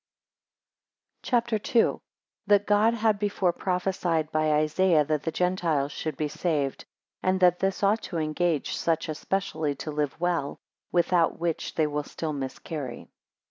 CHAPTER II. 1 That God had before prophesied by Isaiah, that the Gentiles should be saved; 8 And that this ought to engage, such especially to live well; without which they will still miscarry.